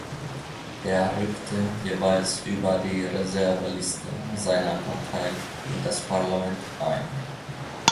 Er rückte jeweils über die Reserveliste seiner Partei in das Parlament ein.